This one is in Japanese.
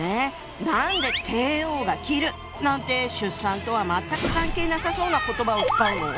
何で「帝王が切る」なんて出産とは全く関係なさそうな言葉を使うの？